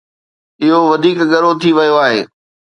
اهو وڌيڪ ڳرو ٿي ويو آهي.